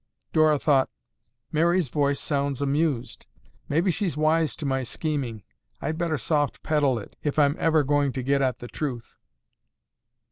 Dora thought, "Mary's voice sounds amused. Maybe she's wise to my scheming. I'd better soft pedal it, if I'm ever going to get at the truth."